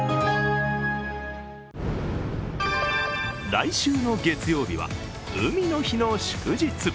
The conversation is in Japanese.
来週の月曜日は海の日の祝日。